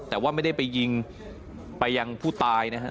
แต่ว่าไม่ได้ไปยิงไปยังผู้ตายนะฮะ